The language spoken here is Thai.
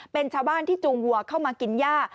เป็นชาวบ้านที่จูงวัวเข้ามากินย่า